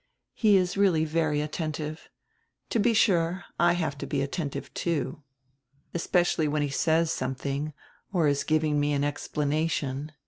He is really very attentive. To be sure, I have to be attentive, too, especially when he says something or is giving me an explanation.